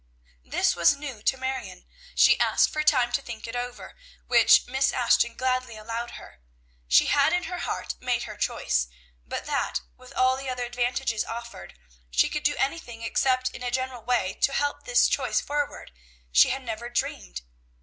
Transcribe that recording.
This was new to Marion; she asked for time to think it over, which Miss Ashton gladly allowed her. She had in her heart made her choice, but that, with all the other advantages offered, she could do anything except in a general way to help this choice forward, she had never dreamed.